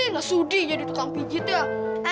nggak sudi jadi tukang pijit ya